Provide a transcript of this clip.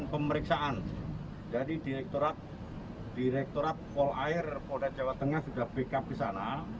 pemeriksaan dari direktorat pol air polda jawa tengah sudah backup ke sana